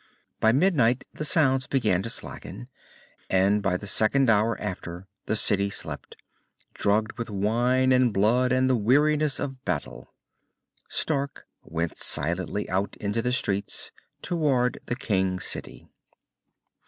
By midnight the sounds began to slacken, and by the second hour after the city slept, drugged with wine and blood and the weariness of battle. Stark went silently out into the streets, toward the King City.